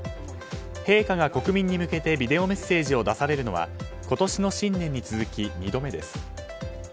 陛下が国民に向けてビデオメッセージを出されるのは今年の新年に続き２度目です。